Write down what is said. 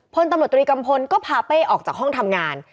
พันธ์ตริกัมพลก็พาเป้ออกจากห้องทำงาน